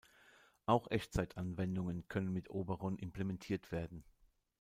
Auch Echtzeitanwendungen können mit Oberon implementiert werden.